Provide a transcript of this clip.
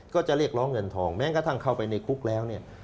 ก็จะเรียกร้องเงินทองแม้กระทั่งเข้าไปในคุกแล้วเนี่ย